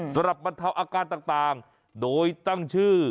สำหรับประเทศอากาศต่างโดยตั้งชื่อ